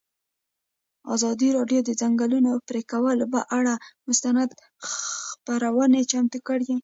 ازادي راډیو د د ځنګلونو پرېکول پر اړه مستند خپرونه چمتو کړې.